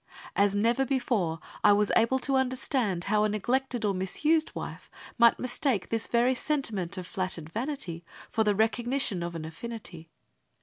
As never before, I was able to understand how a neglected or misused wife might mistake this very sentiment of flattered vanity for the recognition of an affinity.